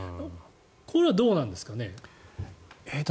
これはどうなんですかね？